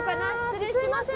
失礼します。